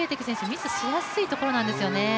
ミスしやすいところなんですよね。